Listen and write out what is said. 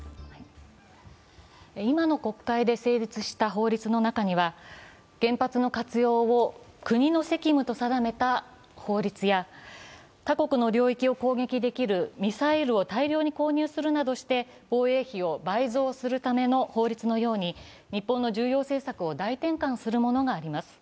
今の国会で成立した法律の中には原発の活用を国の責務と定めた法律や他国の領域を攻撃できるミサイルを大量に購入するなどして防衛費を倍増するための法律のように日本の重要政策を大転換するものがあります。